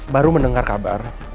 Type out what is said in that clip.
baru mendengar kabar